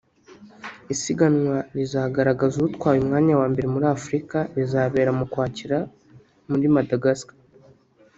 Isiganwa rizagaragaza utwaye umwanya wa mbere muri Afurika rizabera mu Ukwakira muri Madagascar